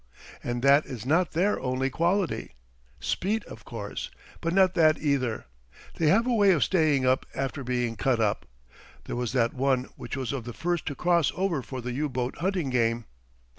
And that is not their only quality. Speed, of course; but not that either. They have a way of staying up after being cut up. There was that one which was of the first to cross over for the U boat hunting game.